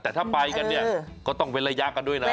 แต่ถ้าไปกันเนี่ยก็ต้องเว้นระยะกันด้วยนะ